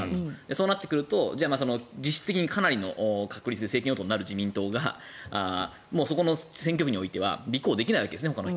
そうなってくると実質的にかなりの確率で政権与党になる自民党がそこの選挙区においてはほかの人が立候補できないわけですね。